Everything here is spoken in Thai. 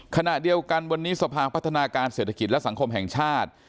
ขณะเดียวกันวันนี้สภาพัฒนาการเศรษฐกิจและสังคมแห่งชาติ